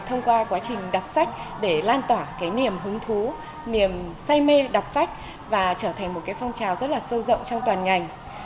thông qua quá trình đọc sách để lan tỏa cái niềm hứng thú niềm say mê đọc sách và trở thành một phong trào rất là sâu rộng trong toàn ngành